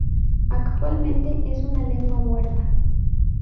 Actualmente es una lengua muerta.